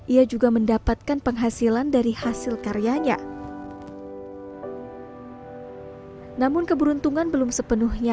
ia juga mendapatkan penghasilan dari hasil karyanya namun keberuntungan belum sepenuhnya